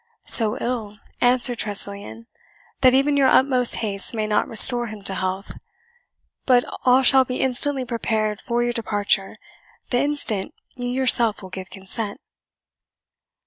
"So ill," answered Tressilian, "that even your utmost haste may not restore him to health; but all shall be instantly prepared for your departure, the instant you yourself will give consent."